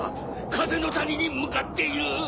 風の谷に向かっている！